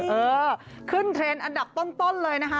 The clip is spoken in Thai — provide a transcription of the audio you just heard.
เออขึ้นเทรนด์อันดับต้นเลยนะคะ